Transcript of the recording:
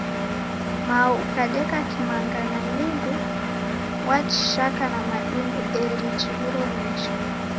Mao ukadeka kimanga na nyungu, wachishaka na madundu eri chiw'uro nicha.